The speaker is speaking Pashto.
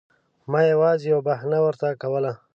ما یوازې یوه بهانه ورته کوله.